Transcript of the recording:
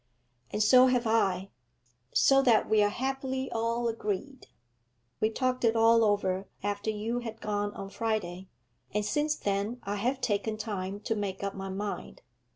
'And so have I; so that we are happily all agreed. We talked it all over after you had gone on Friday, and since then I have taken time to make up my mind.